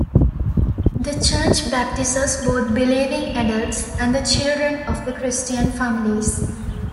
The Church baptises both believing adults and the children of Christian families.